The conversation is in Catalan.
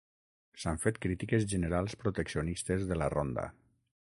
S'han fet crítiques generals proteccionistes de la ronda.